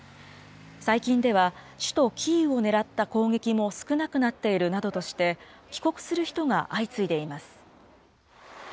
最近では、首都キーウを狙った攻撃も少なくなっているなどとして、帰国する人が相次いでいます。